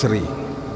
terima kasih bu ahang